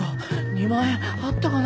２万円あったかな？